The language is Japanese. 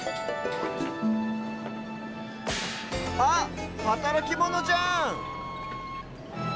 あっはたらきモノじゃん！